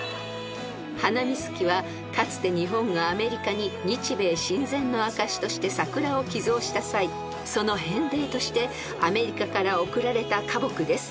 ［ハナミズキはかつて日本がアメリカに日米親善の証しとして桜を寄贈した際その返礼としてアメリカから贈られた花木です］